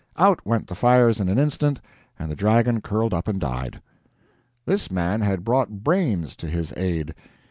Out went the fires in an instant, and the dragon curled up and died. This man had brought brains to his aid.